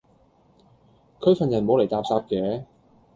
佢份人冇厘搭霎既